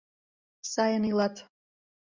Сайын илат.